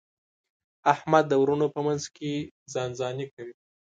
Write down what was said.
احمد د وروڼو په منځ کې ځان ځاني کوي.